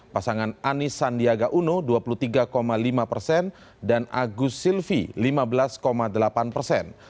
pasangan anis sandiaga uno dua puluh tiga lima persen dan agus silvi lima belas delapan persen